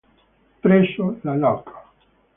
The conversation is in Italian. Presso la loc.